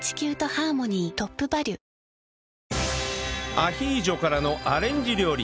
アヒージョからのアレンジ料理